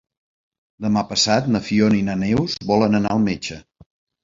Demà passat na Fiona i na Neus volen anar al metge.